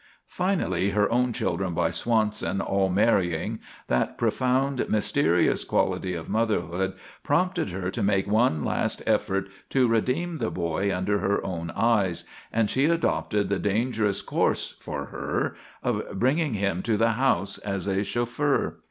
Finally, her own children by Swanson all marrying, that profound mysterious quality of motherhood prompted her to make one last effort to redeem the boy under her own eyes, and she adopted the dangerous course, for her, of bringing him to the house as a chauffeur.